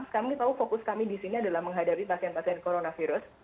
kami tahu fokus kami di sini adalah menghadapi pasien pasien coronavirus